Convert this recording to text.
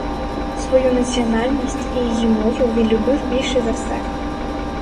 Свою національність і її мову він любив більш за все.